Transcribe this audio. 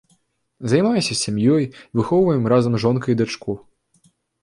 Займаюся сям'ёй, выхоўваем разам з жонкай дачку.